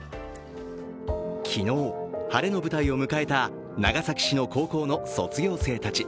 昨日、晴れの舞台を迎えた長崎市の高校の卒業生たち。